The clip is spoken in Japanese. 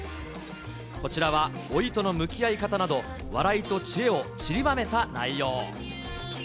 こちらは老いとの向き合い方など、笑いと知恵をちりばめた内容。